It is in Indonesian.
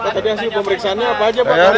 pak tadi hasil pemeriksaannya apa aja pak